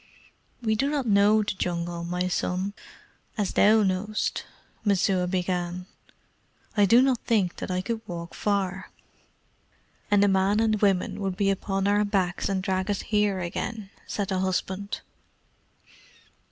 "We do not know the Jungle, my son, as as thou knowest," Messua began. "I do not think that I could walk far." "And the men and women would be upon our backs and drag us here again," said the husband.